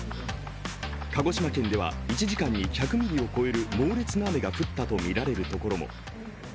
鹿児島県では１時間に１００ミリを超える猛烈な雨が降ったとみられるところも。